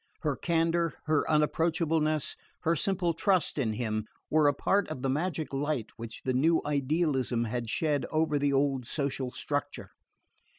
Her candour, her unapproachableness, her simple trust in him, were a part of the magic light which the new idealism had shed over the old social structure.